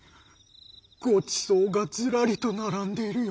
ごちそうがずらりとならんでいるよ。